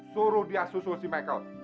suruh dia susu si michael